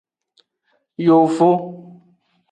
Yovo.